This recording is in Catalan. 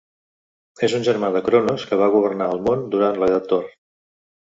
És un germà de Cronos, que va governar el món durant l'edat d'or